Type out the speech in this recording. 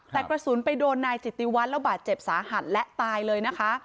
แต่กระสุนไปโดนนายจิตติวัตรแล้วบาดเจ็บสาหัสและตายเลยนะคะ